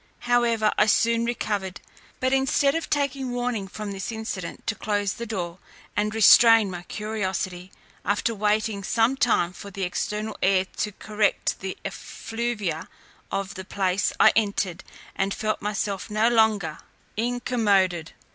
However, I soon recovered: but instead of taking warning from this incident to close the door, and restrain my curiosity, after waiting some time for the external air to correct the effluvia of the place, I entered, and felt myself no longer incommoded.